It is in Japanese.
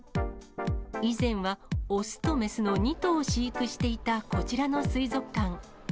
以前は雄と雌の２頭飼育していた、こちらの水族館。